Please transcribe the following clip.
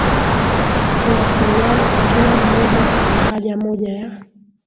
huwasiliana kwa kila mmoja kwa lahaja moja ya